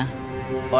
ini dek makamnya